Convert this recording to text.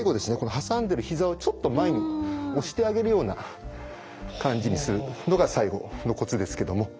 挟んでるひざをちょっと前に押してあげるような感じにするのが最後のコツですけども。